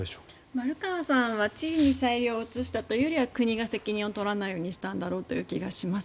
丸川さんは知事に裁量を移したというよりは国が責任を取らないようにしたんだと思います。